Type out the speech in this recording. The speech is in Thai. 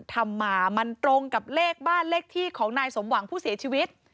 ทำมามันตรงกับเลขบ้านเลขที่ของนายสมหวังผู้เสียชีวิต